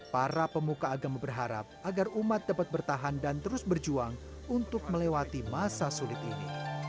para pemuka agama berharap agar umat dapat bertahan dan terus berjuang untuk melewati masa sulit ini